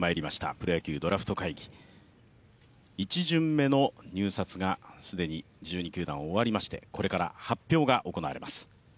プロ野球ドラフト会議、１巡目の入札が既に１２球団、終わりましてこれから発表が始まります。